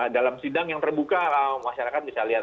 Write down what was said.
dalam sidang yang terbuka masyarakat bisa lihat